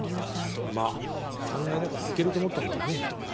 まあ３階だから行けると思ったんだろうね。